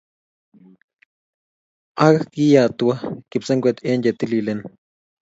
Ak kiyatwa kipsengwet en che tililen